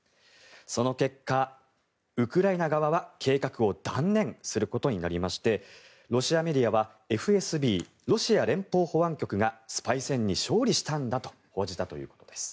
その結果、ウクライナ側は計画を断念することになりましてロシアメディアはＦＳＢ・ロシア連邦保安局がスパイ戦に勝利したんだと報じたということです。